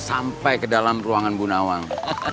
sampai ke dalam ruangan bu nawang